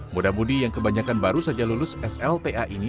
buda budi yang kebanyakan baru saja lulus slta ini